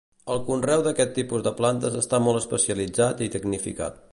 El conreu d'aquest tipus de plantes està molt especialitzat i tecnificat.